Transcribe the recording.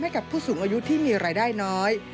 ให้กับผู้สูงอายุที่มีรายได้น้อย